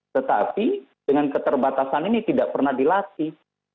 tetapi dengan keterbatasan ini tidak pernah dilatih